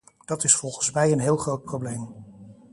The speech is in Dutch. Dat is volgens mij een heel groot probleem.